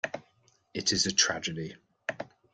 It is a tragedy.